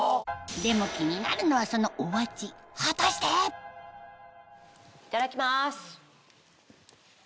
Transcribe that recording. でも気になるのはそのお味いただきます。